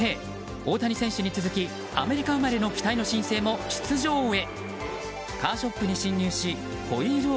大谷選手に続きアメリカ生まれの期待の新星も出場へ。